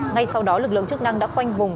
ngay sau đó lực lượng chức năng đã khoanh vùng